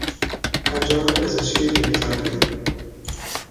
انجمن پزشکی بریتانیا